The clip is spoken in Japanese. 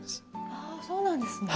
あそうなんですね。